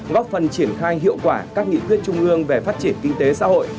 góp phần triển khai hiệu quả các nghị quyết trung ương về phát triển kinh tế xã hội